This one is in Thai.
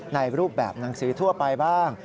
ในรูปแบบหนังสือทั่วไปบ้าง